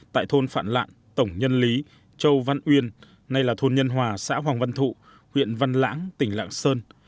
tại thôn phạn lạng tổng nhân lý châu văn uyên nay là thôn nhân hòa xã hoàng văn thụ huyện văn lãng tỉnh lạng sơn